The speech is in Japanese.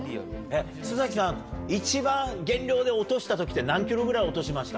須さん一番減量で落とした時って何ｋｇぐらい落としました？